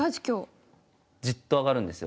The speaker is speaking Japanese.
じっと上がるんですよ。